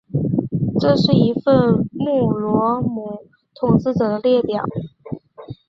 这是一份穆罗姆统治者的列表。